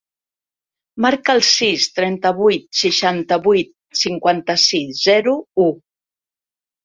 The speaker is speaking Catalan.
Marca el sis, trenta-vuit, seixanta-vuit, cinquanta-sis, zero, u.